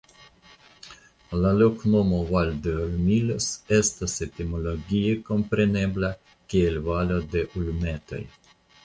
La loknomo "Valdeolmillos" estas etimologie komprenebla kiel Valo de Ulmetoj.